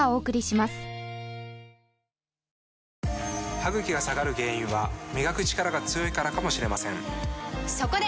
歯ぐきが下がる原因は磨くチカラが強いからかもしれませんそこで！